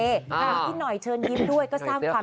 เอ้าอาหารที่หน่อยเชิญยิ้มด้วยอัจทำไว้สหาย